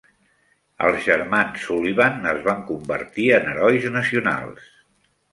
Els germans Sullivan es van convertir en herois nacionals.